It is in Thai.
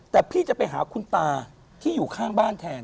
แต่พี่จะไปหาคุณตาที่อยู่ข้างบ้านแทน